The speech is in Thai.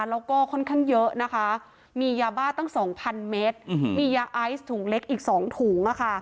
แล้วก็ค่อนข้างเยอะนะคะมียาบ้าตั้ง๒๐๐เมตรมียาไอซ์ถุงเล็กอีก๒ถุง